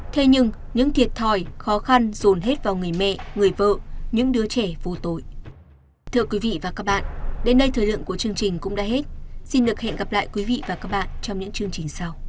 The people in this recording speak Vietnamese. thế nhưng những thiệt thòi khó khăn dồn hết vào người mẹ người vợ những đứa trẻ vô tội